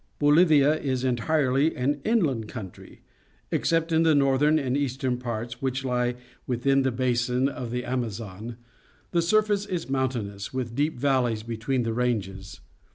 — Bolii'ia is entirety an inland country. Ex cept in the northern and eastern parts, which lie within the basin of the Amazon, the sur face is mountainous, with deep valleys be tween the ranges.